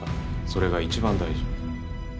それが一番大事。